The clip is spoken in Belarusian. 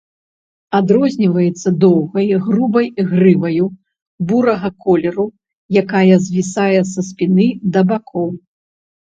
Адрозніваецца доўгай, грубай грываю, бурага колеру, якая звісае са спіны да бакоў.